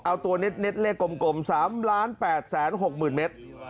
เอาตัวเน็ดเลขกลม๓ล้าน๘แสน๖หมื่นเมตร